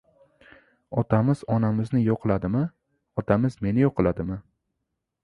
Otamiz onamizni yo‘qladimi? Otamiz meni yo‘qladimi?